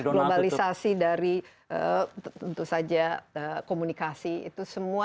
globalisasi dari tentu saja komunikasi itu semua